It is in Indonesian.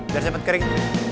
biar cepat kering